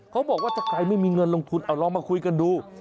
เขาบอกว่าถ้าใครไม่มีเงินลงทุนเอาลองมาคุยกันดู